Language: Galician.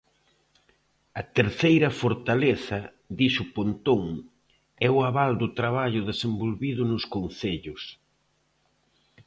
A terceira fortaleza, dixo Pontón, é o aval do traballo desenvolvido nos concellos.